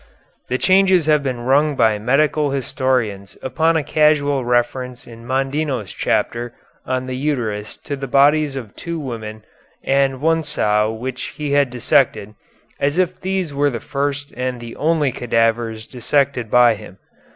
"The changes have been rung by medical historians upon a casual reference in Mondino's chapter on the uterus to the bodies of two women and one sow which he had dissected, as if these were the first and the only cadavers dissected by him.